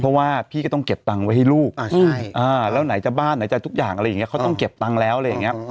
เพราะว่าพี่ก็ต้องเก็บตังค์ไว้ให้ลูกแล้วไหนจะบ้านไหนจะทุกอย่างอะไรอย่างนี้เขาต้องเก็บตังค์แล้วอะไรอย่างนี้